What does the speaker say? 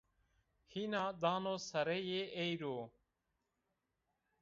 Hîna dano sereyê ey ro